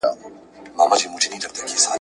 چا د غرونو چا د ښار خواته ځغستله ..